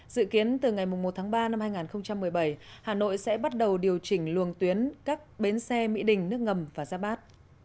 dự kiến từ ngày một tháng ba năm hai nghìn một mươi bảy hà nội sẽ bắt đầu điều chỉnh luồng tuyến các bến xe mỹ đình nước ngầm và giáp bát